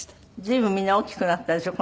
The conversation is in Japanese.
随分みんな大きくなったでしょ